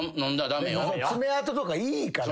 爪痕とかいいから。